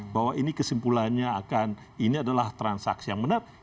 bahwa ini kesimpulannya akan ini adalah transaksi yang benar